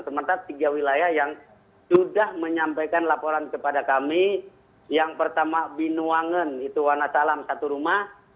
sementara tiga wilayah yang sudah menyampaikan laporan kepada kami yang pertama binuangen itu wanasalam satu rumah